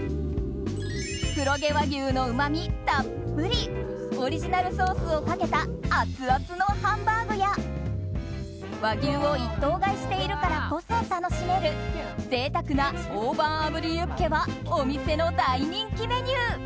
黒毛和牛のうまみたっぷりオリジナルソースをかけたアツアツのハンバーグや和牛を１頭買いしているからこそ楽しめる贅沢な大判炙りユッケはお店の大人気メニュー。